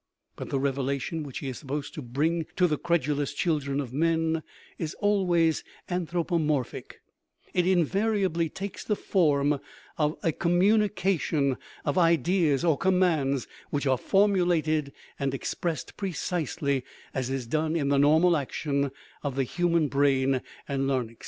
But the revelation which he is supposed to bring to the credulous children of men is always anthropomorphic ; it invariably takes the form of a communication of ideas or commands which are formulated and expressed precisely as is done in the normal action of the human brain and larynx.